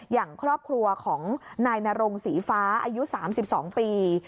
อย่างครอบครัวของนายนรงศรีฟ้าอายุ๓๒ปี